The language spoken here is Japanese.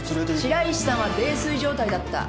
白石さんは泥酔状態だった。